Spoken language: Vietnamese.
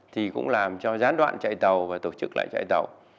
thì cũng làm cho gián đoạn chạy tàu và tổ chức lại chạy tàu